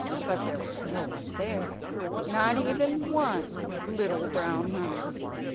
But there was no one there! Not even one little brown mouse!